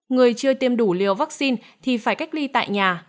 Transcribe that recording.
người chưa tiêm đủ liều vaccine thì phải cách ly tại nhà